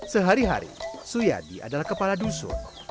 sehari hari suyadi adalah kepala dusun